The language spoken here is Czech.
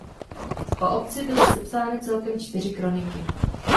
O obci byly sepsány celkem čtyři kroniky.